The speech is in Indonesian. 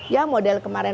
ya model kepentingan